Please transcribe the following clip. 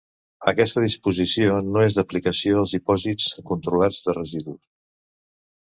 Aquesta disposició no és d'aplicació als dipòsits controlats de residus.